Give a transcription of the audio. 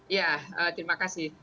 ya terima kasih